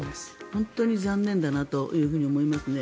本当に残念だなと思いますね。